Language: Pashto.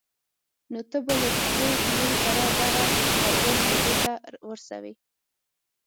نو ته به له څو نورو سره دغه ټپيان کوټې ته ورسوې.